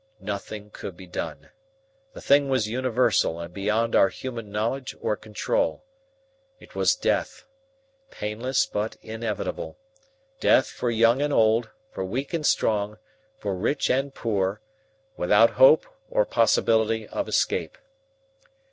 Nothing could be done. The thing was universal and beyond our human knowledge or control. It was death painless but inevitable death for young and old, for weak and strong, for rich and poor, without hope or possibility of escape.